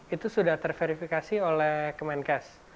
itu sudah terverifikasi oleh kemenkes